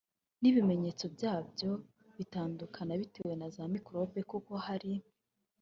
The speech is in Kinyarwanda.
n’ibimenyeto byayo bigatandukana bitewe na za microbe kuko hari